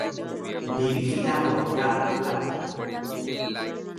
Dirigida por Carl Franklin.